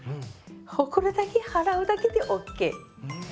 ほこりだけ払うだけでＯＫ。